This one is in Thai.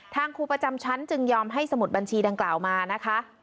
ครูประจำชั้นจึงยอมให้สมุดบัญชีดังกล่าวมานะคะ